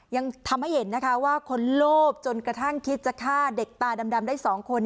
ยังทำให้เห็นนะคะว่าคนโลภจนกระทั่งคิดจะฆ่าเด็กตาดำได้๒คน